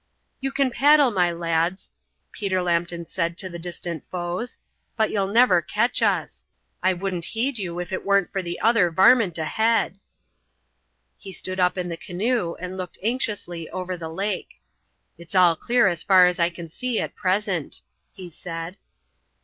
"You can paddle, my lads," Peter Lambton said to the distant foes, "but you'll never ketch us. I wouldn't heed you if it weren't for the other varmint ahead." He stood up in the canoe and looked anxiously over the lake. "It's all clear as far as I can see at present," he said.